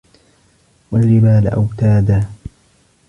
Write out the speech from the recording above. وَالجِبالَ أَوتادًا